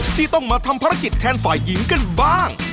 ที่ต้องมาทำภารกิจแทนฝ่ายหญิงกันบ้าง